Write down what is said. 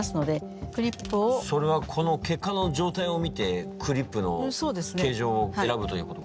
それはこの血管の状態を見てクリップの形状を選ぶということか？